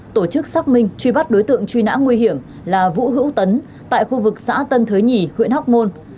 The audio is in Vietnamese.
tổ chức xác minh truy bắt đối tượng truy nã nguy hiểm là vũ hữu tấn tại khu vực xã tân thới nhì huyện hóc môn